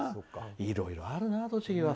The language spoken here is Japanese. いろいろあるな、栃木は。